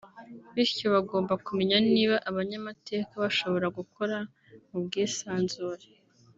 bityo bagomba kumenya niba abanyamateka bashobora gukora mu bwisanzure